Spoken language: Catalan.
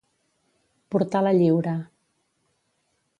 Portar la lliura.